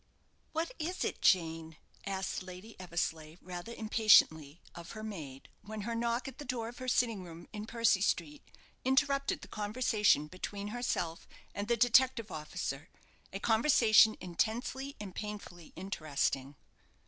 "What is it, Jane?" asked Lady Eversleigh, rather impatiently, of her maid, when her knock at the door of her sitting room in Percy Street interrupted the conversation between herself and the detective officer, a conversation intensely and painfully interesting.